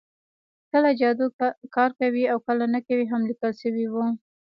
کله جادو کار کوي او کله نه کوي هم لیکل شوي وو